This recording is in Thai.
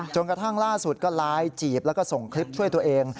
กระทั่งล่าสุดก็ไลน์จีบแล้วก็ส่งคลิปช่วยตัวเอง